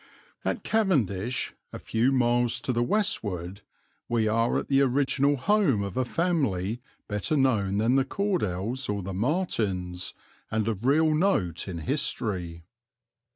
At Cavendish, a few miles to the westward, we are at the original home of a family better known than the Cordells or the Martins, and of real note in history.